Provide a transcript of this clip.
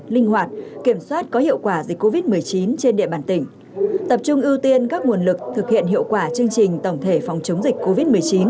linh hoạt kiểm soát có hiệu quả dịch covid một mươi chín trên địa bàn tỉnh tập trung ưu tiên các nguồn lực thực hiện hiệu quả chương trình tổng thể phòng chống dịch covid một mươi chín